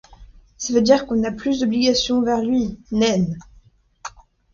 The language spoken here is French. Ça veut dire qu’on n’a plus d’obligations envers lui, naine !